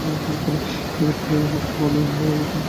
আগে তাকে আমার কাছে পাওনা ভাড়া দিতে হবে পরে তাকে রাজি করাবো।